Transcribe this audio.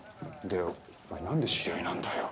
お前何で知り合いなんだよ？